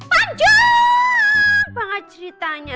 panjang banget ceritanya